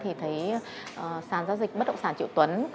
thì thấy sản giá dịch bất động sản triệu tuấn